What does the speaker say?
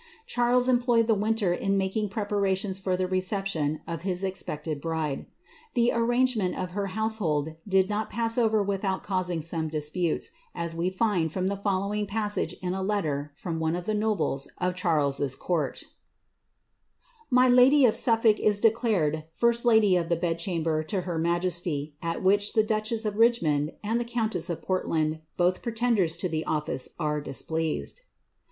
* Charles employed the winter in making preparations for the receptioa of his expected bride. The arrangement of her household did not pass over without causing some disputes, as we find from the following passage in a letter from one of the nobles of Charles's court :—^ My lady of Suffolk is declared iiri*t lady of the bed chamber to her majesty, at which the duchess of Richmond and countess of Portlandi both pretenders to the office, are disspleased.